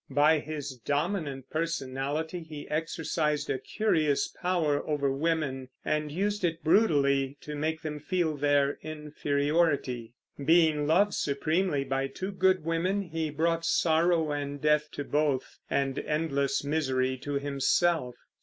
By his dominant personality he exercised a curious power over women, and used it brutally to make them feel their inferiority. Being loved supremely by two good women, he brought sorrow and death to both, and endless misery to himself.